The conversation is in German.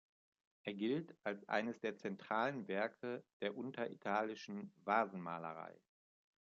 Er gilt als eines der zentralen Werke der unteritalischen Vasenmalerei.